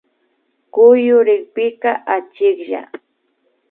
Kuyurikpika achiklla